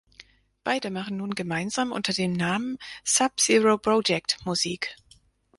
Beide machen nun gemeinsam unter dem Namen "Sub Zero Project" Musik.